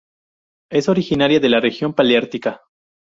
Es originaria de la región paleártica.